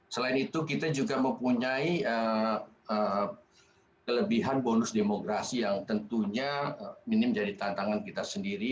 selain itu kita juga mempunyai kelebihan bonus demokrasi yang tentunya minim jadi tantangan kita sendiri